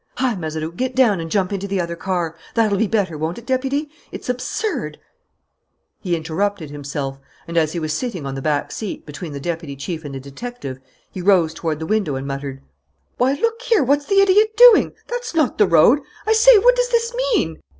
Hi, Mazeroux, get down and jump into the other car! That'll be better, won't it, Deputy? It's absurd " He interrupted himself; and, as he was sitting on the back seat, between the deputy chief and a detective, he rose toward the window and muttered: "Why, look here, what's the idiot doing? That's not the road! I say, what does this mean?"